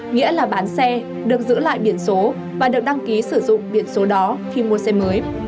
nghĩa là bán xe được giữ lại biển số và được đăng ký sử dụng biển số đó khi mua xe mới